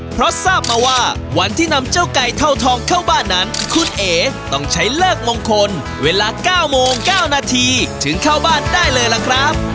เพราะทราบมาว่าวันที่นำเจ้าไก่เท่าทองเข้าบ้านนั้นคุณเอ๋ต้องใช้เลิกมงคลเวลา๙โมง๙นาทีถึงเข้าบ้านได้เลยล่ะครับ